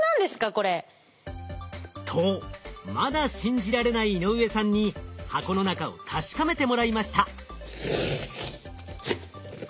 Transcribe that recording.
これ。とまだ信じられない井上さんに箱の中を確かめてもらいました。